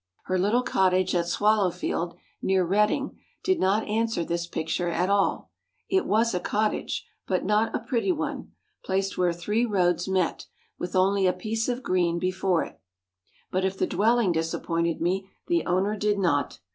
Her little cottage at Swallowfield, near Reading, did not answer this picture at all. It was a cottage, but not a pretty one, placed where three roads met, with only a piece of green before it. But if the dwelling disappointed me, the owner did not.